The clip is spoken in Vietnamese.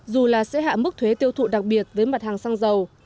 dù là sẽ hạ mức thuế tiêu thụ đặc biệt với mặt hàng xăng dầu